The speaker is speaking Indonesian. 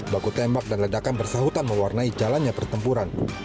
baku tembak dan ledakan bersahutan mewarnai jalannya pertempuran